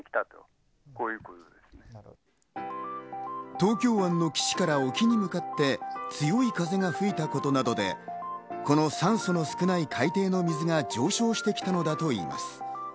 東京湾の岸から沖に向かって、強い風が吹いたことなどで、この酸素の少ない海底の水が上昇してきたのだといいます。